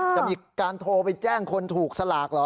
จะมีการโทรไปแจ้งคนถูกสลากเหรอ